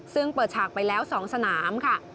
ซึ่งเปิดฉากไปแล้ว๒สนามค่ะ